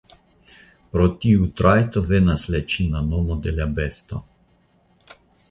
Pro tiu trajto venas la ĉina nomo de la besto.